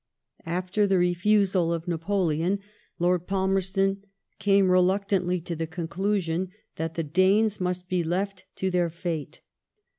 After the refusal of Napoleon, Lord Pal merston came reluctantly to the conclusion that the Danes must be left to their fate.